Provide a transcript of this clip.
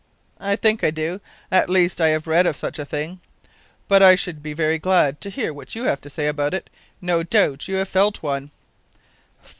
"I think I do; at least I have read of such a thing. But I should be very glad to hear what you have to say about it. No doubt you have felt one."